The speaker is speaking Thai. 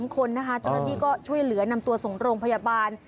คนนะคะเจ้าหน้าที่ก็ช่วยเหลือนำตัวส่งโรงพยาบาล